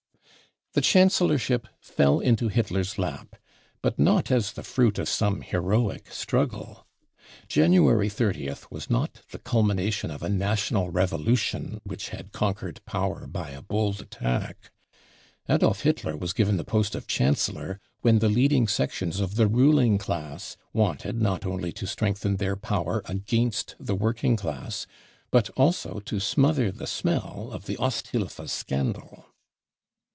The Chancellorship fell into Hitler's lap, but not as the fruit of some heroic struggle. January 30th was not the culmination of a 44 national revolution " which had con quered power by a bold attack, Adolf Hitler was given the % post of Chancellor when the leading sections of the ruling class wanted not only to strengthen their power against the working class but also to smother the smell of the Qsthilfe scandal.